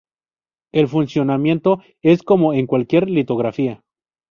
El funcionamiento es como en cualquier litografía.